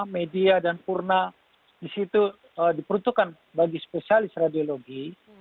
media dan purna di situ diperuntukkan bagi spesialis radiologi